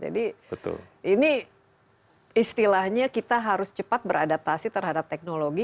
jadi ini istilahnya kita harus cepat beradaptasi terhadap teknologi